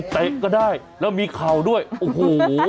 ก็ได้แล้วมีเข่าด้วยโอ้โห